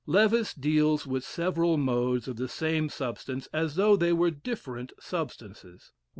Lewes deals with several modes of the same substance as though they were different substances.